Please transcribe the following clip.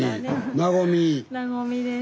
「和み」です。